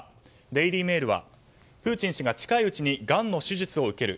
デイリー・メールはプーチン氏が近いうちにがんの手術を受ける。